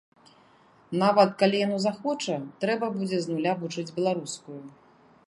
Нават калі яно захоча, трэба будзе з нуля вучыць беларускую.